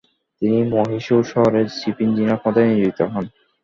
তিনি মহীশূর শহরের chief engineer পদে নিয়োজিত হন।